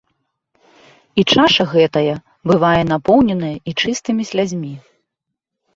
І чаша гэтая бывае напоўненая і чыстымі слязьмі.